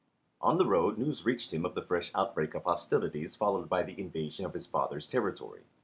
On the road news reached him of the fresh outbreak of hostilities followed by the invasion of his father's territory.